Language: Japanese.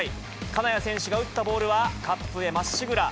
金谷選手が打ったボールは、カップへまっしぐら。